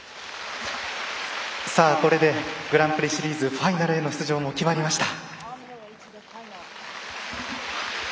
これでグランプリシリーズファイナルへの出場も決まりました。